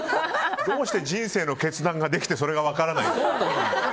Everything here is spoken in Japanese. どうして人生の決断ができてそれが分からない。